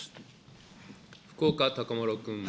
福岡資麿君。